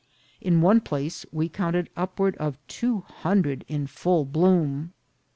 In one place we counted up ward of two hundred in full bloom.